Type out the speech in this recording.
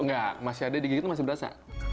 nggak masih ada di gigit masih berasa